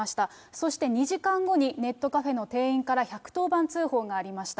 そして２時間後に、ネットカフェの店員から１１０番通報がありました。